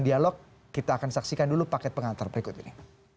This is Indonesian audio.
dialog kita akan saksikan dulu paket pengantar berikut ini